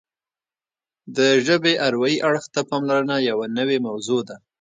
د ژبې اروايي اړخ ته پاملرنه یوه نوې موضوع ده